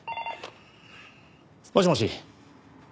もしもし。